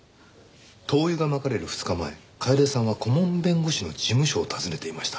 灯油が撒かれる２日前楓さんは顧問弁護士の事務所を訪ねていました。